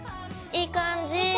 いい感じ。